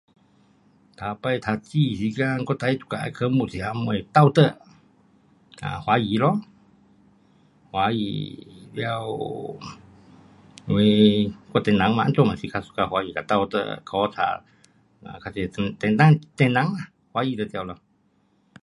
头次读书时间，我最 suka 的科目是什么？道德 um 华语咯。华语，了，因为我唐人嘛，怎样嘛是较 suka 华语跟道德，考书，um 较多唐人，唐人，华语就对了。